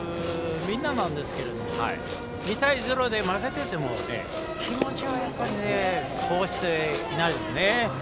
みんななんですけど２対０で負けてても気持ちはやっぱり負けてないですね。